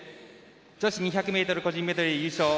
女子２００ｍ個人メドレー優勝